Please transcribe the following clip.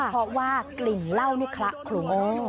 เพราะว่ากลิ่นเหล้านี่ครับขลูงอ้ม